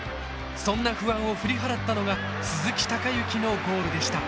そんな不安を振り払ったのが鈴木隆行のゴールでした。